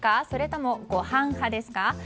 それとも、ごはん派ですか？